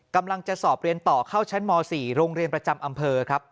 กำลังจะสอบเรียนต่อเข้าชั้นม๔โรงเรียนประจำอำเภอครับ